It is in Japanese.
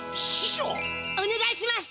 おねがいします！